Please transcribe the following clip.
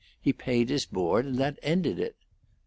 He paid his board, and that ended it."